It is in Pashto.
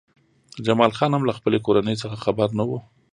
جمال خان هم له خپلې کورنۍ څخه خبر نه و